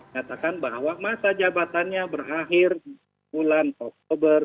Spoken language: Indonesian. katakan bahwa masa jabatannya berakhir bulan oktober dua ribu dua puluh empat